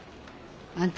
あんた。